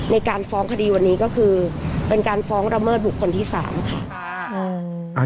ในการฟ้องคดีวันนี้ก็คือเป็นการฟ้องระเมิดบุคคลที่๓ค่ะ